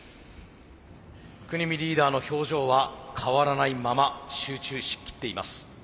國見リーダーの表情は変わらないまま集中しきっています。